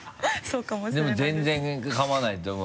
そうかもしれないです。